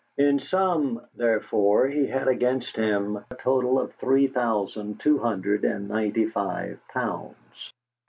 In sum, therefore, he had against him a total of three thousand two hundred and ninety five pounds.